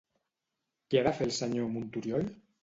Què ha de fer el senyor Montoriol?